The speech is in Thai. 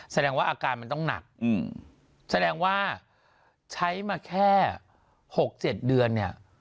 แสดงว่าอาการมันต้องหนักแสดงว่าใช้มาแค่๖๗เดือนเนี่ย